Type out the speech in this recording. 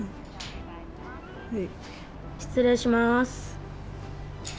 失礼します。